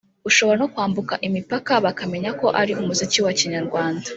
ushobora no kwambuka imipaka bakamenya ko ari umuziki wa Kinyarwanda